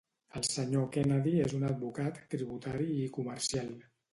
El senyor Kennedy és un advocat tributari i comercial.